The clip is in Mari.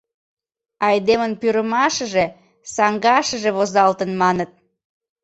Айдемын пӱрымашыже саҥгашыже возалтын, маныт.